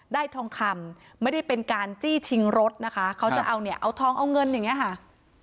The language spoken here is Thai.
ทองคำไม่ได้เป็นการจี้ชิงรถนะคะเขาจะเอาเนี่ยเอาทองเอาเงินอย่างนี้ค่ะ